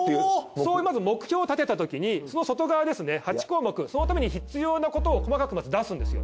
そういうまず目標を立てたときにその外側ですね８項目そのために必要なことを細かくまず出すんですよ。